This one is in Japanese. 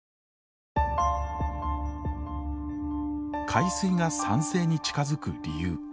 海水が酸性に近づく理由。